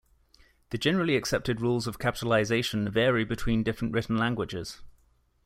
The generally accepted rules of capitalization vary between different written languages.